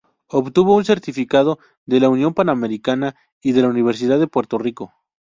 Obtuvo un certificado de la Unión Panamericana y de la Universidad de Puerto Rico.